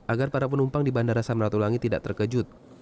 agar para penumpang di bandara samratulangi tidak terkejut